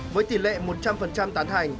với tỷ lệ một trăm linh phần